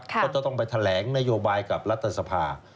ก็จะต้องไปแถลงนโยบายกับรัฐสภา